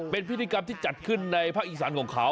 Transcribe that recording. เป็นพิธีกรรมที่จัดขึ้นในภาคอีสานของเขา